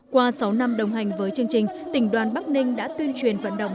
qua sáu năm đồng hành với chương trình tỉnh đoàn bắc ninh đã tuyên truyền vận động